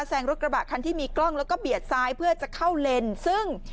แซงรถกระบะคันที่มีกล้องแล้วก็เบียดซ้ายเพื่อจะเข้าเลนซึ่ง